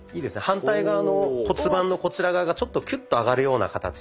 反対側の骨盤のこちら側がちょっとキュッと上がるような形で。